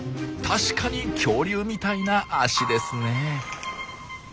確かに恐竜みたいな足ですねえ。